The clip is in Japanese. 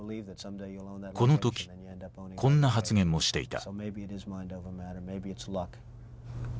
この時こんな発言もしていた。